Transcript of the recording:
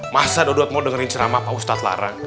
masa dodot mau dengerin ceramah pak ustadz larang